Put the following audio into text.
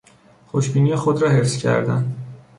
خوش بینی خود را حفظ کردن